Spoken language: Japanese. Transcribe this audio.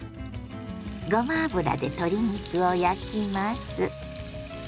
ごま油で鶏肉を焼きます。